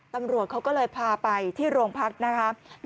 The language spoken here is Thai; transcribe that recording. ตำรวจเขาก็เลยพาไปที่โรงพักนะคะ